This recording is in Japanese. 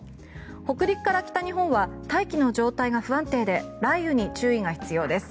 北陸から北日本は大気の状態が不安定で雷雨に注意が必要です。